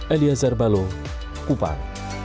elia zerbalo kupan